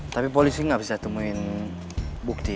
tapi polisi nggak bisa temuin bukti